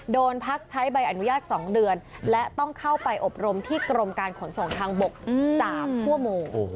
โดนพักใช้ใบอนุญาต๒เดือนและต้องเข้าไปอบรมที่กรมการขนส่งทางบก๓ชั่วโมง